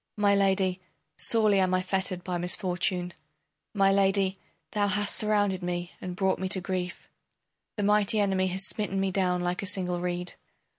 My Lady, sorely am I fettered by misfortune; My Lady, thou hast surrounded me, and brought me to grief. The mighty enemy has smitten me down like a single reed.